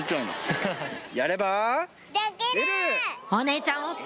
お姉ちゃんＯＫ！